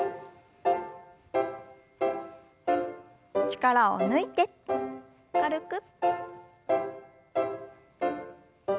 力を抜いて軽く。